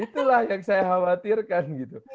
itulah yang saya khawatirkan gitu